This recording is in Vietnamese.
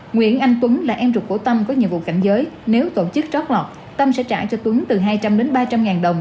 nguyễn anh tuấn là em ruột của tâm có nhiệm vụ cảnh giới nếu tổ chức trót lọt tâm sẽ trả cho tuấn từ hai trăm linh đến ba trăm linh ngàn đồng